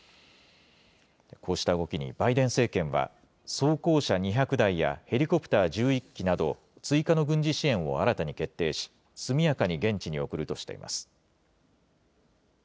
こうした動きにバイデン政権は、装甲車２００台やヘリコプター１１機など、追加の軍事支援を新たに決定し、速やかに現地に送るとしています。